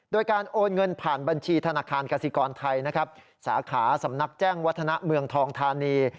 โดยการโอนเงินผ่านบัญชีธนาคารกสิกรไทยนะครับสาขาสำนักแจ้งวัฒนาเมืองทองธานี